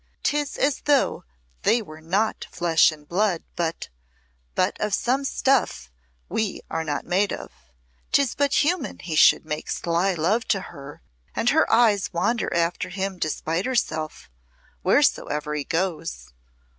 'Tis as though they were not flesh and blood, but but of some stuff we are not made of. 'Tis but human he should make sly love to her, and her eyes wander after him despite herself wheresoever he goes.